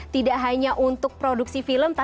tidak hanya untuk produksi film